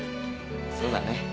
そうだね。